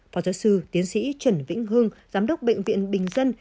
phó giáo sư tiến sĩ trần vĩnh hương giám đốc bệnh viện bình dân